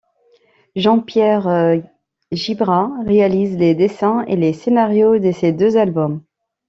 Jean-Pierre Gibrat réalise les dessins et les scénarios de ces deux albums.